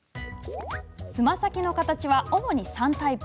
つま先の形は主に３タイプ。